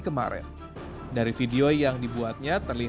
kalau terang terangan nggak boleh